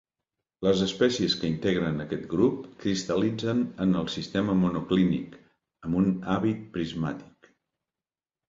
Les espècies que integren aquest grup cristal·litzen en el sistema monoclínic, amb un hàbit prismàtic.